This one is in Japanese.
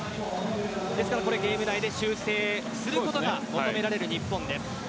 ゲーム内で修正することが求められる日本です。